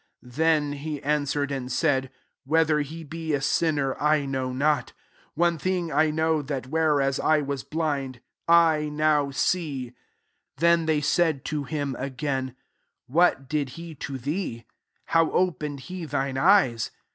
*' 25 [I%^n3 he answered and said, « Whether he be a sin ner, I know not: one thing I )ui0w» that^ whereas I was blind, 1 now see.^ 26 TKen they said to him, again, " What did he to thee ? how opened he thine eyes?"